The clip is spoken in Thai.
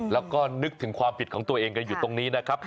แล้วก็นึกถึงความผิดของตัวเองกันอยู่ตรงนี้นะครับ